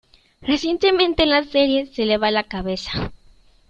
Recientemente en la serie se le va la cabeza.